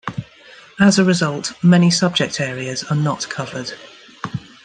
As a result, many subject areas are not covered.